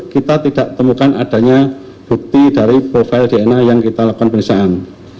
kita tidak temukan adanya bukti dari profil dna yang kita lakukan pemeriksaan